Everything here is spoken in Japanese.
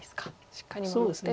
しっかり守ってと。